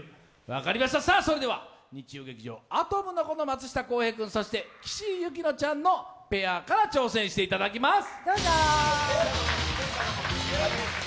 分かりました、それでは日曜劇場「アトムの童」の松下洸平君、そして岸井ゆきのちゃんのペアから挑戦していただきます。